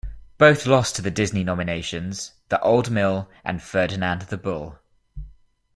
Both lost to the Disney nominations, "The Old Mill" and "Ferdinand the Bull.